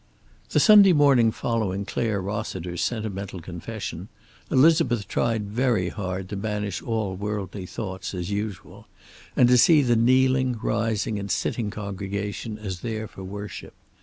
The Sunday morning following Clare Rossiter's sentimental confession, Elizabeth tried very hard to banish all worldly thoughts, as usual, and to see the kneeling, rising and sitting congregation as there for worship.